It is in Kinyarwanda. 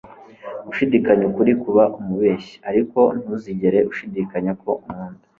Gushidikanya ukuri kuba umubeshyi; Ariko ntuzigere ushidikanya ko nkunda. ”